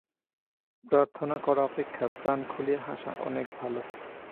প্রার্থনা করা অপেক্ষা প্রাণ খুলিয়া হাসা অনেক ভাল।